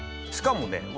しかもね